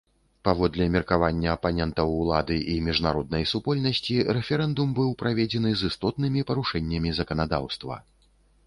Паводле меркавання апанентаў улады і міжнароднай супольнасці, рэферэндум быў праведзены з істотнымі парушэннямі заканадаўства.